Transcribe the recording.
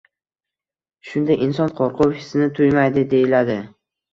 shunda inson qo‘rquv hissini tuymaydi, deyiladi.